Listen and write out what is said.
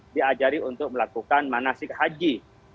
diajari untuk melakukan manasik haji